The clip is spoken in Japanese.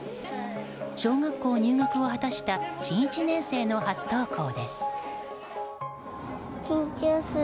小学校入学を果たした新１年生の初登校です。